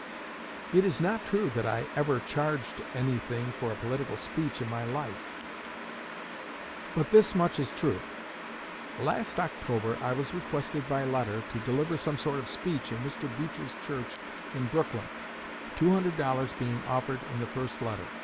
It is not true that I ever charged anything for a political speech in my life; but this much is true: Last October I was requested by letter to deliver some sort of speech in Mr. Beecher's church in Brooklyn, $200 being offered in the first letter.